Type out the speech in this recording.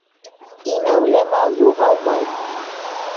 Инәүле мал юғалмай.